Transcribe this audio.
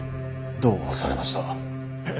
どうされました。